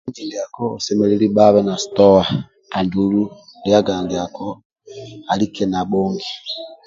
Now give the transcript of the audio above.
Inji ndiako osemelelu bhabe na sitowa andulu liaga ndiako alike na bhongi